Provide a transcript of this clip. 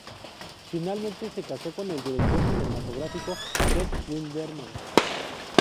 Finalmente se casó con el director cinematográfico Fred Windermere.